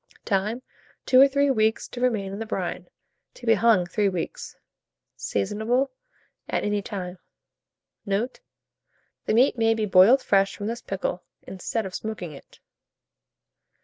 Time. 2 or 3 weeks to remain in the brine; to be hung 3 weeks. Seasonable at any time. Note. The meat may be boiled fresh from this pickle, instead of smoking it.